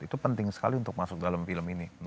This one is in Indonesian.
itu penting sekali untuk masuk dalam film ini